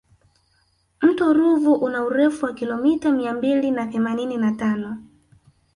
mto ruvu una urefu wa kilomita mia mbili na themanini na tano